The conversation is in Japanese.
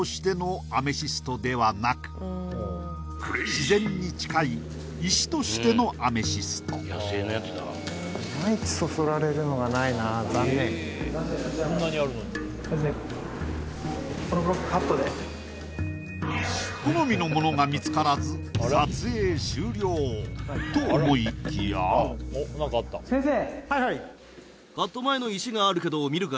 自然に近い石としてのアメシスト好みのものが見つからず撮影終了と思いきや先生！